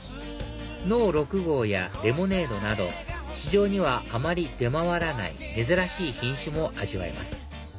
農６号やレモネードなど市場にはあまり出回らない珍しい品種も味わえます